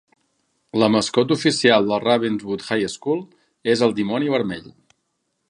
La mascota oficial de Ravenswood High School es el Dimoni Vermell.